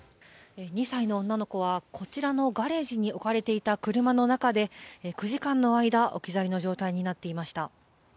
２歳の女の子はこちらのガレージに止められていた車の中で９時間の間置き去りの状態になっていました。